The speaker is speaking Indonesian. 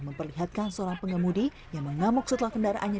memperlihatkan seorang pengemudi yang mengamuk setelah kendaraannya